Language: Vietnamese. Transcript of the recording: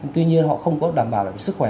tuy nhiên họ không có đảm bảo được sức khỏe